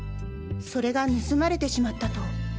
それが盗まれてしまったと。